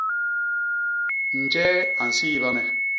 Njee a nsiiba me?